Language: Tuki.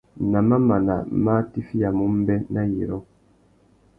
Nà mamana má atiffiyamú mbê, nà yirô.